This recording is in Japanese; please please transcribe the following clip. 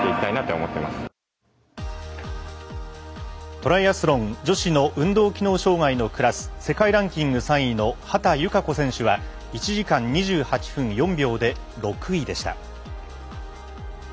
トライアスロン女子の運動機能障がいのクラス世界ランキング３位の秦由加子選手は１時間２８分４秒で６位でした。